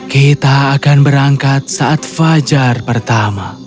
kita akan berangkat saat fajar pertama